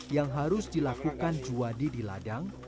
yang harus dilakukan juwadi di ladang